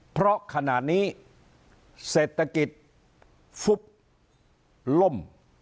เพราะขณะนี้เศรษฐกิจฟุบล่ม